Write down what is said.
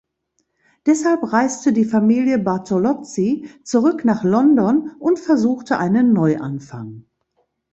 Deshalb reiste die Familie Bartolozzi zurück nach London und versuchte einen Neuanfang.